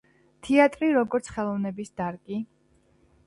თეატრი, როგორც ხელოვნების დარგი